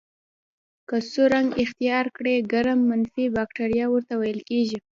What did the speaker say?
که سور رنګ اختیار کړي ګرام منفي بکټریا ورته ویل کیږي.